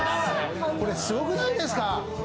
これ、すごくないですか？